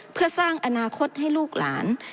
เพื่อสร้างอนาคตให้ลูกหลาน